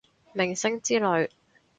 明星之類